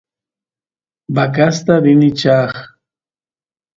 vacasta rini chay